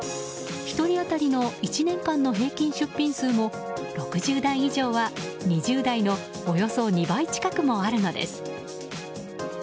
１人当たりの１年間の平均出品数も６０代以上は、２０代のおよそ２倍近くもあるのです。